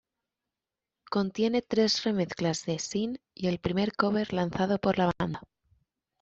Contiene tres remezclas de "Sin" y el primer cover lanzado por la banda.